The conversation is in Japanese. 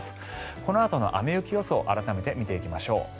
このあとの雨・雪予想改めて見ていきましょう。